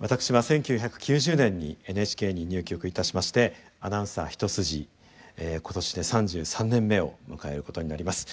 私は１９９０年にＮＨＫに入局いたしましてアナウンサー一筋今年で３３年目を迎えることになります。